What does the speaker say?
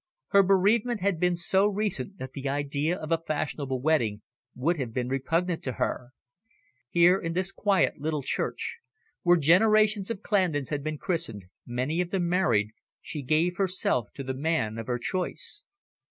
Her bereavement had been so recent that the idea of a fashionable wedding would have been repugnant to her. Here in this quiet little church, where generations of Clandons had been christened, many of them married, she gave herself to the man of her choice.